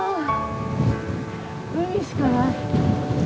海しかない。